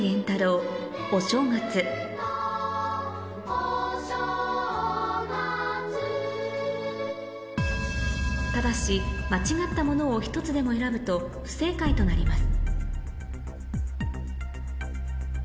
教科書にも載っているただし間違ったものを１つでも選ぶと不正解となります